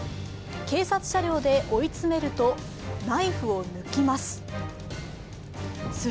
警察車両で追い詰めると、ナイフを抜きます。